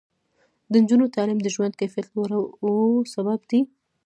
د نجونو تعلیم د ژوند کیفیت لوړولو سبب دی.